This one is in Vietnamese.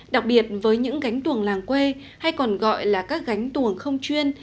đặc biệt với những gánh tuồng làng quê hay còn gọi là các gánh tuồng không chuyên